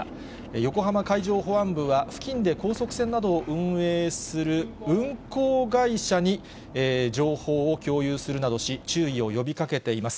横浜海上保安部は、付近で高速船などを運営する運航会社に情報を共有するなどし、注意を呼びかけています。